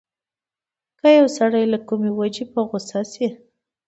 که يو سړی له کومې وجې په غوسه شي.